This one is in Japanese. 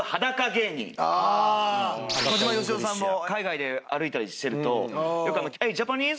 小島よしおさんも海外で歩いたりしてるとよく「ジャパニーズ？